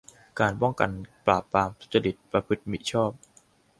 การป้องกันปราบปรามการทุจริต ประพฤติมิชอบ